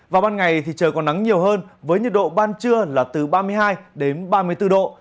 vào ban ngày thì trời còn nắng nhiều hơn với nhiệt độ ban trưa là từ ba mươi hai đến ba mươi bốn độ